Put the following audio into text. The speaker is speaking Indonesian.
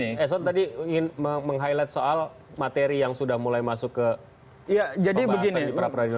baik eson tadi ingin meng highlight soal materi yang sudah mulai masuk ke pembahasan di prapradino